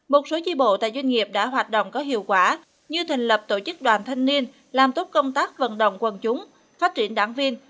một số chi bộ tại doanh nghiệp đã hoạt động có hiệu quả như thành lập tổ chức đoàn thanh niên làm tốt công tác vận động quân chúng phát triển đảng viên